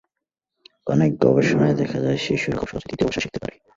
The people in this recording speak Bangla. অনেক গবেষণায় দেখা যায়, শিশুরা খুব সহজেই দ্বিতীয় ভাষা শিখতে পারে।